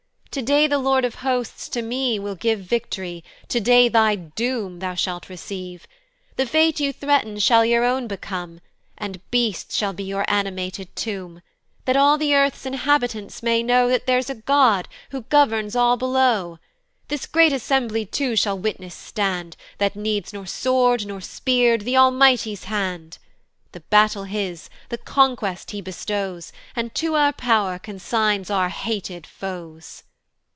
"To day the Lord of Hosts to me will give "Vict'ry, to day thy doom thou shalt receive; "The fate you threaten shall your own become, "And beasts shall be your animated tomb, "That all the earth's inhabitants may know "That there's a God, who governs all below: "This great assembly too shall witness stand, "That needs nor sword, nor spear, th' Almighty's hand: "The battle his, the conquest he bestows, "And to our pow'r consigns our hated foes."